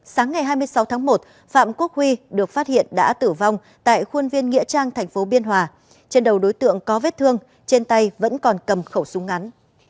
sáng ngày hai mươi sáu tháng một phạm quốc huy được phát hiện đã tử vong tại khuôn viên nghĩa trang tp biên hòa trên đầu đối tượng có vết thương trên tay vẫn còn cầm khẩu súng ngắn